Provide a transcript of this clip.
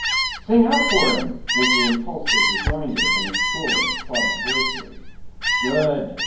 "Sing out for him!" was the impulsive rejoinder from a score of clubbed voices. "Good!"